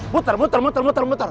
buter buter buter buter buter